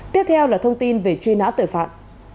tiếp theo là thông tin về truy nã tội phạm